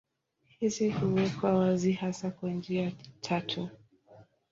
Hizi huwekwa wazi hasa kwa njia tatu.